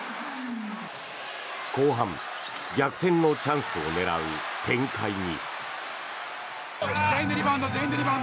後半、逆転のチャンスを狙う展開に。